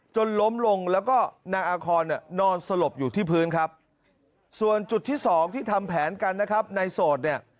จนล้มลงแล้วก็นางอาคอนเนี่ยนอนสลบอยู่ที่พื้นครับส่วนจุดที่สองที่ทำแผนกันนะครับในโสดเนี่ย